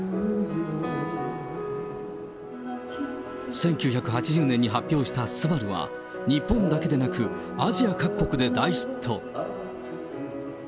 １９８０年に発表した昴は、日本だけでなく、アジア各国で大ヒット。